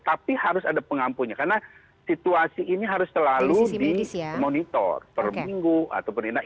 tapi harus ada pengampunya karena situasi ini harus selalu dimonitor per minggu atau perindah